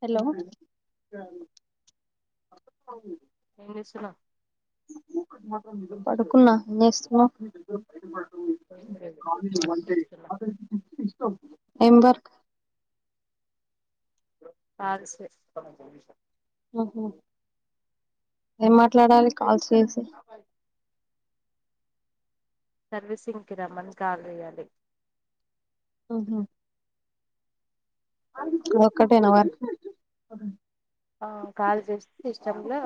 Hello ఏం చేస్తున్నావు పడుకున్నా ఏంచేస్తునా మంట అ ఇష్టవుతుంది ఎం వర్క్ అ ఆహో ఏం మాట్లాడాలి కాల్ చేసి సర్వీసింగ్కి రమ్మని కాల చేయాలి ఆఓహో ఒకటన వర్క్ ఆ కాల్ చేసి సిస్టమ్లా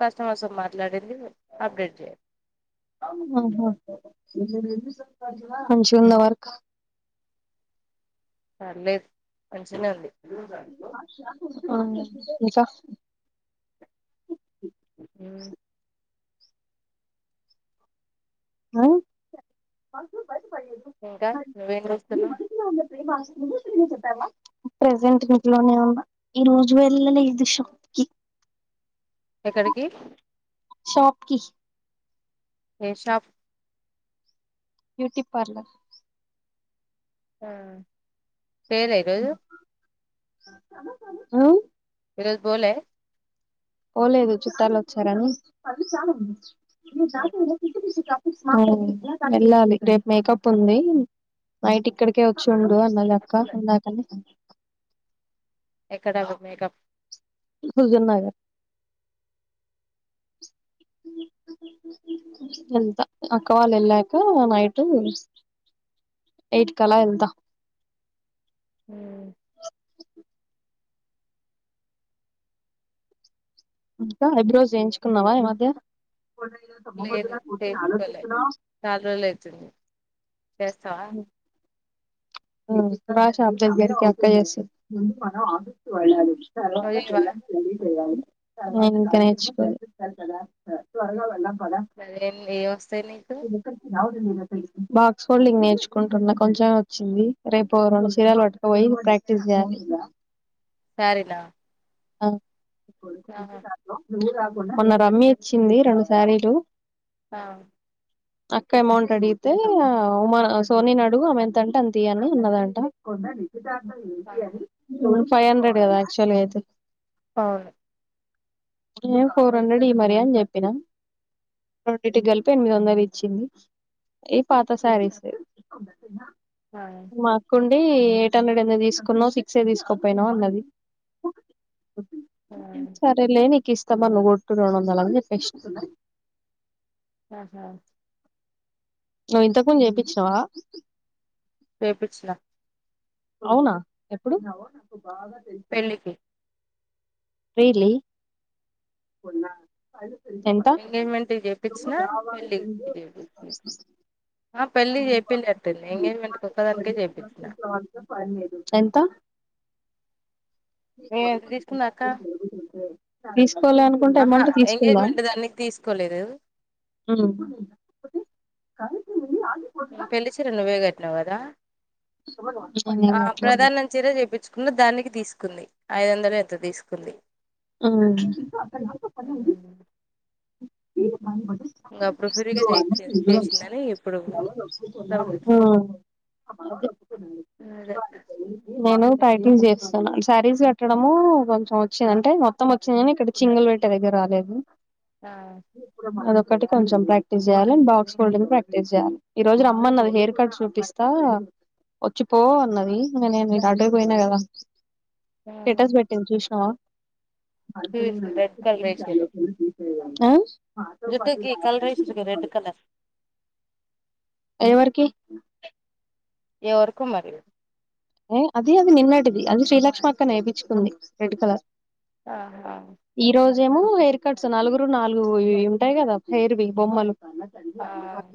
కస్టమర్స్తో మాట్లాడింది అప్డేట్ చేయలి మంచిగా ఉందా వార్క్ పర్లేదు మంచిగానే ఉంది అ ఇంకా ఆ ఇంకా నువ్వేం చూస్తున్నా ప్రజెంట్ ఇంట్లోనే ఉంద ఈ రోజు వెళ్ళలేదు షాప్ కి ఎక్కడికి శాప్కి ష బ్యూటీ పార్లర్ ఆ పేర ఈరోోజు అవు విరోజ బోల్ పోఓలేదు చుట్టాలు వచ్చారని ఇ దా వెళ్ళాలి రేపు మేకప్ ఉంది నైట్ ఇక్కడికే వచ్చిండు అన్న అక్క ఉందాకని ఎక్కడ మేకప్ సుజన్ నాగర్ వెళ్తా అక్క వాళ్ళు వెళ్ళాక నైట్ ఎయిట్ కలా వెళ్తా హ ఇంకా హఐబ్రో చేయించుకున్నావా ఏ మధ్య లేదు చేయించుకోలే చాలా రోజులు అవుతుంది చేస్తావా రాషాబ్ దగ్గరికి ఎక్క చేస్త మం ఆళ్ళ చను నువ్వు చేయవా చం చేగా మరే ఏం వస్తాయి నీకు బాక్స్ కోల్డింగ్ నేర్చుకుంటున్నా కొంచెం వచ్చింది రరే ఇప్పు రెండు సీయలు వాట్టుక పోయి ప్రక్టీస్ సరనా అ ఆా మొన్న రమ్మ్య ఇచ్చింది రెండు సారీలు ఆ అక్క అమౌంట్ అడిగితే ఉమా సోనిని అడుగు ఆమె ఎంతంటే అంత తీియను అన్నదంట కాని ఫైవ్ హండ్రెడ్ కదా ఆక్చువల్ గా అయితే అవును నే ఫోర్ హండ్రెడ్ ఇయ్ మరి అని చెప్పినా రోండిటికి కలిపి ఎనిమిది వందలు ఇచ్చింది ఈ పాత శారీస్ ఆ ఆ. మాకున్ అది ఎయిట్ హండ్రెడ్ ఎందుకు తీసుకున్నావ్ సిక్సె తీసుకోపోయినవా అన్నది సరేలేని కిష్టమన్ నువ్వు కొట్టు రొండొందలు అని చెప్పిన ఆహా నువ్వు ఇంతక్ ముందు చేపిచినావా చేపిచిన అవునా ఎప్పుడు పెళ్ళికి రియల్లీ ఎంత ఎంగేజ్మెంట్కి చేపిచ్చిన పెళ్ళికి చేపిచ్చిన ఆ పెళ్ళికి చేపీలే పిన్ని ఎంగేజ్మెంట్కి ఒక్కదానికె చేపిచ్చిన ఎంత మేము ఎంత తీసుకున్న అక్క తీసుకోవాల అనుకుంటే ఆహా అమౌంట్ తీసుకుందా ఎంగేజ్మెంట్ దానికి తీసుకోలేదు నవదా నేనేం ఆ అట్లా ప్రధానం చీర చేపించుకున్న దానికి తీసుకుంది ఐదు వందలు ఎత్త తీసుకుంది మ్మ్ మ్మ్ ఇంగప్పుడు ఫ్రీగా చేయిచ్చేది చేసిందని ఇప్పుడు డౌట్ ఇట్లా అదే నేను టైటింగ్ చేస్తున్నా శారీస్ కట్టడం కొంచెం వచ్చిందండి అంటే మొత్తం వచ్చిందని కాని ఇక్కడ చింగల్ పెట్టే దగ్గర రాలేదు ఆ ఒకటి కొంచెం ప్రాక్టీస్ చేయాలి అం బాక్స్ బోలింగ్ ప్రాక్టీస్ చేయాలి ఈ రోజు రమ్మన్నది హెయిర్ కట్ చూపిస్తా వచ్చి పో అన్నది ఇంక నేను అడ పోయినా కదా స్టేటస్ పెట్టింది చూసినావా చూసిన రెడ్ కలర్ ఏసిర్రు ఆ జుట్టుకి కలర్ ఏసిన్రు రెడ్ కలర్ ఎవరికి ఎవరుకు మరి ఏ అద అది నిన్నటిది అది శ్రీలక్ష్మి అక్క నేపించుకుంది రెడ్ కలర్ ఆహా ఏమో హెయిర్ కట్స్ నలుగురు నాలుగు ఉంటాయి కదా హెయిర్వి బొమ్మలు ఆ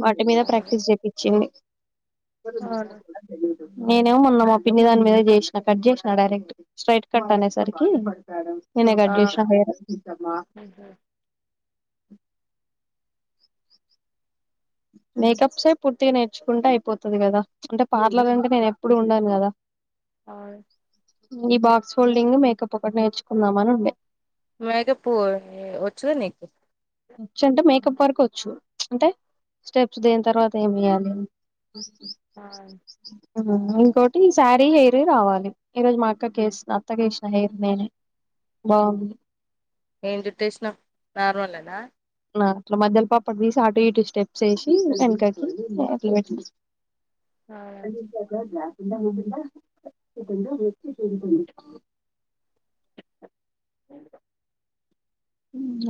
వాటి మీద అవును ప్రాక్టీస్ చేపించింది అవును నేనేం ఉన్నమా పిన్ని దాని మీద చేసిన కట్ చేసిన డైరెక్ట్ స్ట్రైట్ కట్ అనేసరికి నేనే ఆ కట్ చేసిన [unintelligible] మేకప్సే పూర్తిగా నేర్చుకుంటే అయిపోతుంది కదా, అంటే పార్లర్ అంటే నేను ఎప్పుడు ఉండను కదా ఆ ఈ బాక్స్ ఫోల్డింగ్ మేకప్ ఒకటి నేర్చుకుందామ అని ఉండే మేకుప్ వచ్చు కదా నీకు వచ్చ అంటే మేకప్ వరకు వచ్చు, అంటే స్టెప్స్ దెన్ తర్వాత ఏమి చేయాలి ఆ ఇంకోటి ఈ శారీ హెయిర్ రావాలి, ఈరోజు మా అక్కకిసిన అత్తక వేసిన హెయిర్ నేనే బాగుంది. ఏం చుట్టేసినా నార్మల్ హేన నా అట్లా మధ్యలో పాపడు తీసి అటు ఇటు స్టెప్స్ వేసి వెనకాకి అట్ పె అన్ని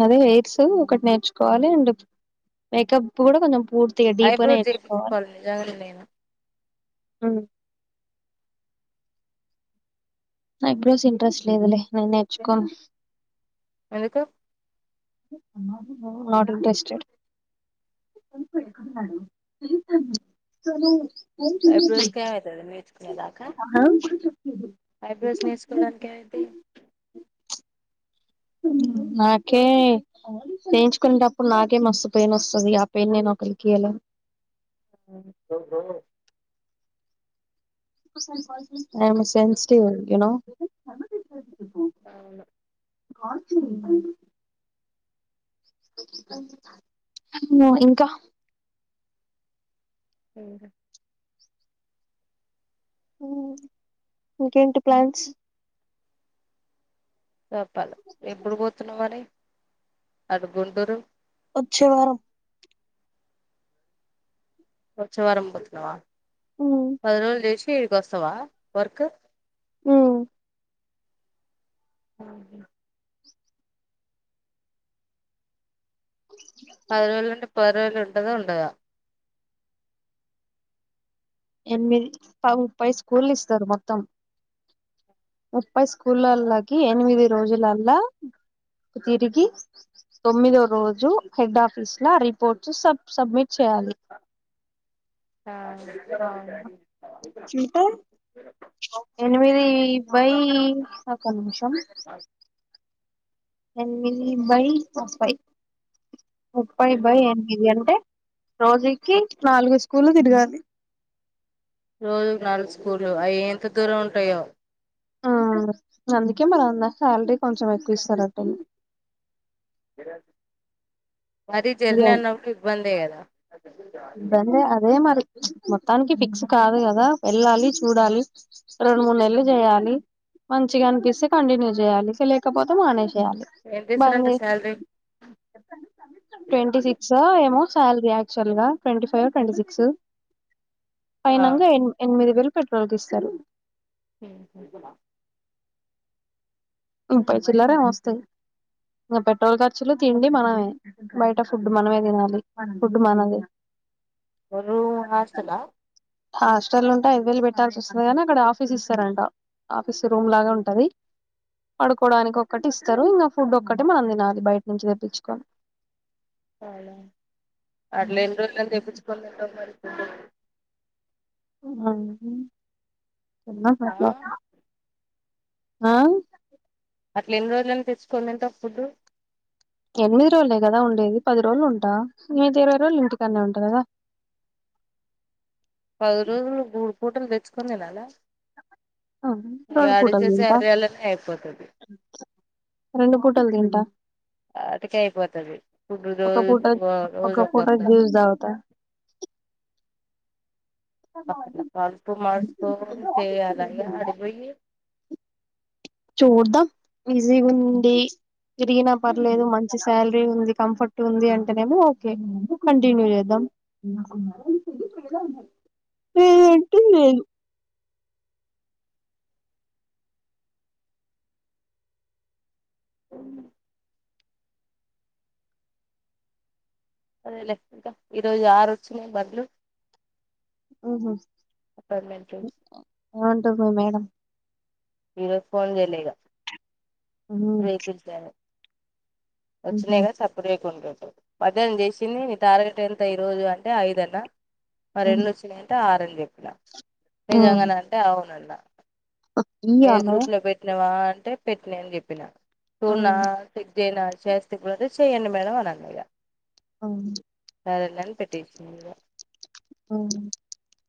అదే హెయిర్స్ ఒకటి నేర్చుకోవాలి అండ్ మేకప్ కూడా కొంచెం పూర్తిగా డీప్‌గా ఐబ్రో చేపించుకోవాలి నిజంగనె నేను అ ఐబ్రోస్ ఇంట్రెస్ట్ లేదులే నేను నేర్చుకోను ఎందుకు నాట్ ఇంట్రెస్టెడ్ ఐబ్రోస్ కి ఏమైతది నేర్చుకునే దాకా ఆ ఐబ్రోస్ నేర్చుకోడానికేమైత నాకే నేయించుకునేటప్పుడు నాకే మస్తు పెయిన్ వస్తుంది ఆ పెయిన్ నేను ఒకరికియ్యలేను అయం సెన్సిటివ్ యూనో అవును వును ఇంకా ఉ ఇంకేంటి ప్లాన్స్ చెప్పాలి ఎప్పుడు పోతున్నావ్ మరీ అడుగుంటురు వచ్చే వారం వచ్చే వారం పోతున్నావా ఉమ్ పది రోజులు చేసి తిడి కోస్తావా వర్క్ మ్ [unintelligible] పద్రోల్ ఉండి పద్రోల్ ఉంటదొ ఉండదో ఎనిమిది ప ముప్పై స్కూలు ఇస్తారు మొత్తం ముప్పై స్కూళ్ళలకి ఎనిమిది రోజులల్లా తిరిగి తొమ్మిదో రోజు హెడ్ ఆఫీస్ల రిపోర్ట్ సబ్ సబ్మిట్ చేయాలి [unintelligible] అంటే ఎనిమిదీ దబై ఒక్క నిమిషం ఎనిమిది బై ముప్పై ముప్పై బై ఎనిమిది అంటే రోజుకి నాలుగు స్కూలు తిరగాలి రోజుకి నాలుగు స్కూలు అయి ఎంత దూరం ఉంటాయో ఆ కి మనఉన్న సాల్రీ కొంచెం ఎక్కువ ఇస్తరట మరీ జర్నన్నప్పుడు ఇబ్బందేగదా ఇబ్బందే అదే మరి మొత్తానికి ఫిక్స్ కాదు కదా ఎళ్ళాలి చూడాలి రెండు మూడు నెల్లు చేయాలి మంచిగనిపిస్తే కంటిన్యూ చేయాలి లేకపోతే మానేసి చేయాలి ఎంత బంద్ ఇస్తారంట చేసి శాలరీ ట్వంటీ సిక్సో ఏమో సాల్రీ ఆక్ చల్లా ట్వంటీ ఫైవో ట్వంటీ సిక్సు ఆ పైనంగ ఎం ఎన్మిది వేలు పెట్రోల్కిస్తరు ఊ ముప్పై చిల్లరేంమెస్తయి ఇంకా పెట్రోల్ ఖర్చులు తిండి మనమే బయట ఫుడ్ మనమే తినాలి ఫుడ్ మనదే ఓరూం హాస్టలా హాస్టల్ ఉంటే ఐదు వేలు పెట్టాల్సొది కానీ అక్కడ ఆఫీస్ ఇస్తరంట ఆఫీస్ రూమ్ లాగా ఉంటది పడుకోవడానికి ఒక్కటి ఇస్తరు ఇంగ ఫుడ్ ఒక్కటి మనం తినాలి బయట నుంచి తెప్పిచ్చుకొని అట్లెన్ని రోజులకు తెప్పిచ్చుకోలట [unintelligible] ఆ ఆ [inaudible] ఆ అట్ల ఎన్ని రోజులని తెచ్చుకొని తింటవ్ ఫుడ్డు ఎనిమిది రోజులే కదా ఉండేది పది రోజులు ఉంటా మిగిత ఇరవై రోజులు ఇంటికాన్నే ఉంట కదా పది రోజులు మూడు పూటలు తెచ్చుకుని తినాలా అ రెండు పూటలు ఆడిచ్చేసే తింటా సాల్రీల్లనే అయిపోతది రెండు పూటలు తింటా ఆటికే అయిపోతది ఫుడ్డు ఒక రోజు పూట ఒక పూట రోజొకొంద జ్యూస్ తాగుతా అ కడుపు మాడ్చుకొని చేయ్యాలా ఇగ ఆడికిపొయ్యి చూద్దాం ఈజీగుంది తిరిగిన పర్లేదు మంచి సాల్రీ ఉంది కంఫర్ట్ ఉంది అంటేనేమో ఓకే కంటిన్యూ చేద్దాం లేదంటే లేదు అదేలేె ఇంక ఈరోజు ఆరు ఒచ్చినయి బండ్లు హ్మ్ హ్మ్ అపోయిట్మెంట్లు ఊ అంటుగు మేడం ఇగ ఫోన్ జేయలే ఇగ వెహికల్స్ త్యాల ఒచ్చినయి గ సప్పుజేకుండు మధ్యాహ్నం చేసింది నీ టార్గెట్ ఎంత ఈ రోజు అంటే ఐదన్న ఆ రెండు వచ్చినై అంట ఆ రెండు చెప్పిన నిజంగాన అంటే అవునన్న ఈ ఏ అన్నది గ్రూప్లో పెట్టిన్వా అన్ అంటే పెట్టిన్యా అని జెప్పిన అవును రున్నాటి జైనా చేస్తే కూడా చేయండి మేడం అని అన్న ఇగా మ్మ్ సరేలని పెట్టిషిన్దిగా అవునా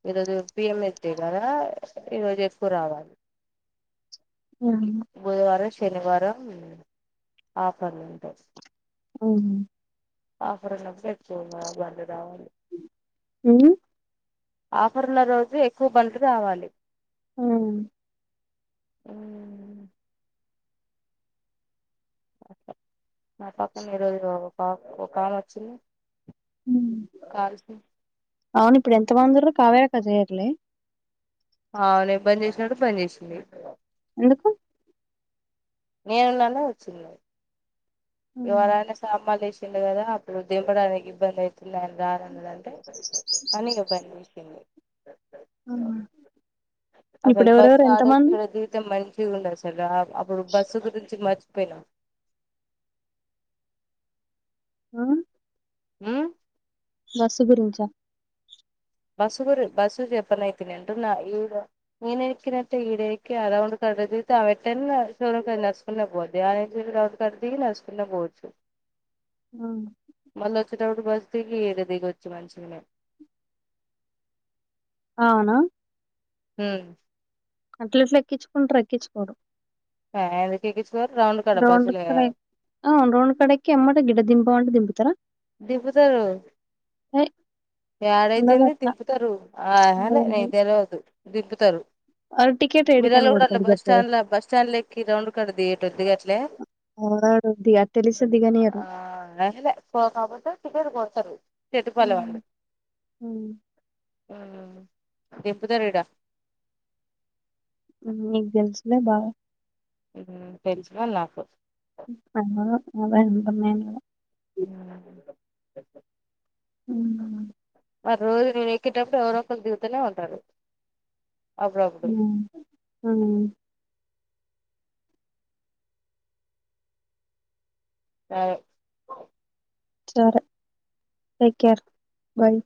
ఈరోజు పి ఎం ఎస్ టీ గదా ఈరోజు ఎక్కువ రావాలి మ్మ్ బుధవారం శనివారం ఆఫర్లుంటయ్ మ్మ్ ఆఫరున్నప్పుడే ఎక్కువ బండ్లు రావాలి మ్మ్ ఆఫర్ల రోజే ఎక్కువ బండ్లు రావాలి. మ్మ్ మ్మ్ నా పక్క ఈరోజు ఒక ఒకామె ఒచ్చింది మ్మ్ అవును ఇప్పుడు ఎంతమందుర్రు కావేరక్క జెయ్ లె ఆహ్ నేన్ బంద్ చేసినప్పుడే బంద్ చేసింది ఎందుకు నేనున్నానే వచ్చింది ఉమ్, యువరాణి సామాన్లు ఏస్ తింద్ కదా అప్పుడు దింపడానికి ఇబ్బంది అయ్తుందని రాన్ననదది అని ఇగ బంన్జేసింది ఆహ్ ఇప్పుడెవరవరు ఎంత మంది పిగుండేసరావ్ అప్పుడు బస్సు గురించి మర్చ్ పొయ్నా ఆహ్ ఉహ్ బసు గురించా. బస్సు గురిం బస్సు చెప్పన అయిత్నింటుంనా ఈడ ఈనే ఎక్కినట్టే ఈడెక్కి ఆ రౌండ్ కాడ దిగితే ఆ వెట్టనే షోరూ నడుచుకునే పోద్ది ఆ రౌండ్ కడ దిగి నడుచుకునే పోవచ్చు ఆహ్ మళ్ళ వచ్చేటప్పుడు బస్ దిగి ఇడ దిగొచ్చు మంచిగనే అవునా! హ అట్ల ఇట్లా ఎక్కించుకుంటారు ఎక్కించుకోవరు ఆ, ఎందుకు ఎక్కించుకోరు కాడ రౌండ్ బస్సులు కడ రౌండ్ కడకి అమ్మట గిడ దిం తోండ్ తింపుతారా దింపుతారు ఉండదు ఏడైతుంది అట్లా దింపుతారు ఆహలే నీ తెేలివద్దు దింపుతారు వాడు టికెట్ మీిరళ ఏడికని కూడా కొడతాడు బస్ చెప్పవే స్టాండ్ బస్ స్టాండ్ లెక్కి రౌండ్ కడదిటద్దిగా అట్లే ఎవరాడు దిగ తెలిసి దిగనియరు ఆ టికెట్టు కొడతారు అ చెట్టుపల్లి దింబ ద రీడా ఆ మీకు తెలిసేలే బాగా తెలిస మ నాకు అ అదేంటమే ఉ మరి రోజు నువను ఎక్క్కేటప్పుడు ఎవరో ఒక దిగుతూనే ఉంటారు అప్పుడప్పుడు అ స సరే టేకేర్ బై్